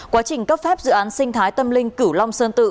quá trình cấp phép dự án sinh thái tâm linh cửu long sơn tự